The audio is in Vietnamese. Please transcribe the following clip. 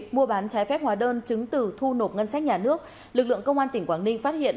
mua bán trái phép hóa đơn chứng từ thu nộp ngân sách nhà nước lực lượng công an tỉnh quảng ninh phát hiện